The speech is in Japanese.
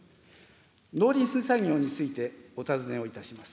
農林水産業についてお尋ねをいたします。